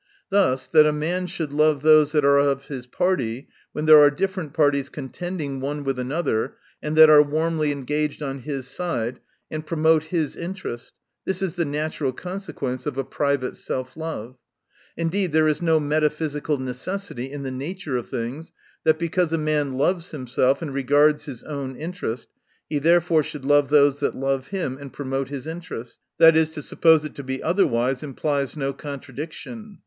Thus that a man should love those that are of his party, when there are different parties contending one with another ; and that are warmly engaged on his side, and promote his interest — this is the natural consequence of a private self love. Indeed there is no metaphysical necessity, in the nature of things, hat because a man loves himself, and regards his own interest, he therefore 280 THE NATURE IF VIRTUE. should love those that love him, and promote his interest ; i. e., to suppose it to be otherwise, implies no contradiction.